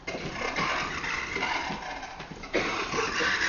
Během daného ročníku odehrál zápasy ve třech kolech před finále.